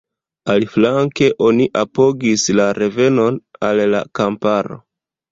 Aliflanke oni apogis “la revenon al la kamparo”.